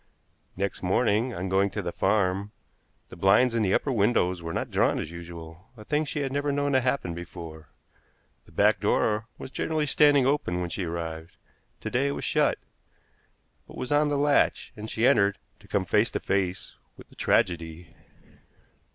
Next morning, on going to the farm, the blinds in the upper windows were not drawn as usual, a thing she had never known to happen before. The back door was generally standing open when she arrived; to day it was shut, but was on the latch, and she entered, to come face to face with a tragedy.